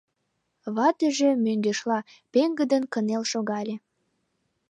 Ватыже, мӧҥгешла, пеҥгыдын кынел шогале.